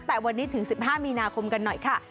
แต่วันนี้ถึง๑๕มีนาคมกันหน่อยค่ะ